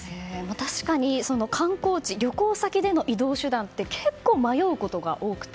確かに観光地、旅行先での移動手段って結構、迷うことが多くて。